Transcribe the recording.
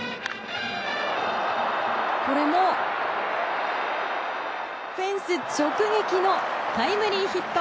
これも、フェンス直撃のタイムリーヒット。